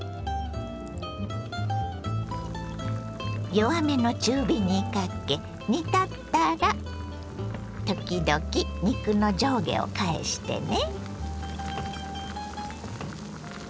弱めの中火にかけ煮立ったら時々肉の上下を返してね。